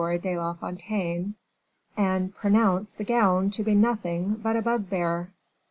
de la Fontaine and pronounce the gown to be nothing but a bugbear."